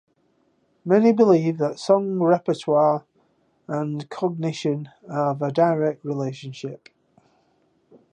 Many believe that song repertoire and cognition have a direct relationship.